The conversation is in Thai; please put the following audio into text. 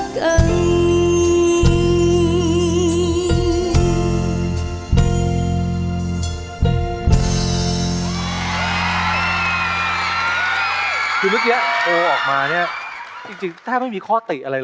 ต้องยอมให้บัวเช้า